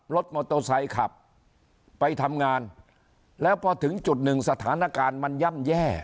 รถมอเตอร์ไซค์ขับไปทำงานแล้วพอถึงจุดหนึ่งสถานการณ์มันย่ำแย่